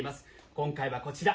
今回はこちら。